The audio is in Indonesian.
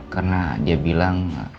karena dia bilang